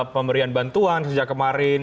pemberian bantuan sejak kemarin